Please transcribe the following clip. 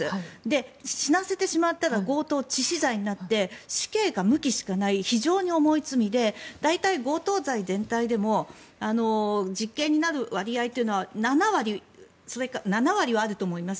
死なせてしまったら強盗致死罪になって死刑か無期しかない非常に重い罪で大体、強盗罪全体でも実刑になる割合というのは７割はあると思います。